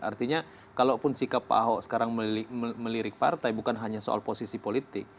artinya kalaupun sikap pak ahok sekarang melirik partai bukan hanya soal posisi politik